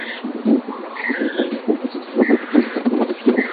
তার সাথে রিজওয়ের প্রণয়ের সম্ভাবনা অবশ্য অংকুরেই বিনষ্ট হয়ে যায়।